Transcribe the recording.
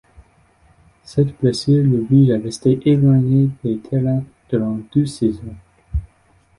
Cette blessure l'oblige à rester éloigné des terrains durant deux saisons.